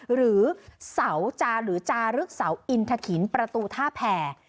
หรือเสาจารึกเสาอินทะขินประตูท่าแพร่